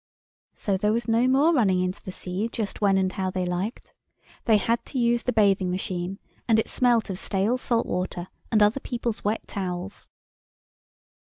So there was no more running into the sea just when and how they liked. They had to use the bathing machine, and it smelt of stale salt water and other people's wet towels.